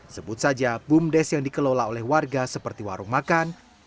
sebut saja bumdes yang dikelola oleh warga seperti warung makan